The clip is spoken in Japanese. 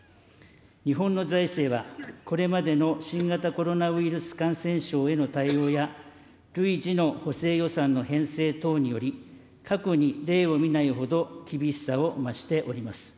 日本の財政は、これまでの新型コロナウイルス感染症への対応や、累次の補正予算の編成等により、過去に例を見ないほど、厳しさを増しております。